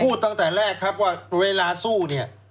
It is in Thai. ตั้งแต่แรกครับว่าเวลาสู้เนี่ย